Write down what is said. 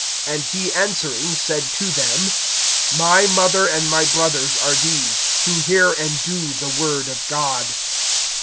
(21)And he answering, said to them: My mother and my brothers are these, who hear and do the word of God.